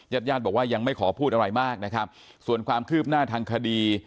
ญาติญาติบอกว่ายังไม่ขอพูดอะไรมากนะครับส่วนความคืบหน้าทางคดี